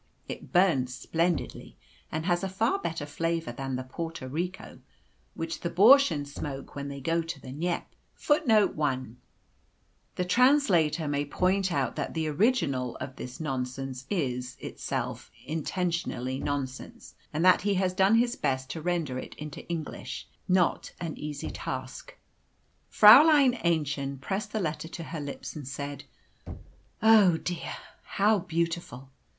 It burns splendidly, and has a far better flavour than the Porto Rico which the Bürschen smoke when they go to the Kneipe." [Footnote 1: The translator may point out that the original of this nonsense is, itself, intentionally nonsense, and that he has done his best to render it into English not an easy task. A. E.] Fräulein Aennchen pressed the letter to her lips, and said, "Oh, how dear, how beautiful!